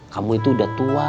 kamu itu udah tua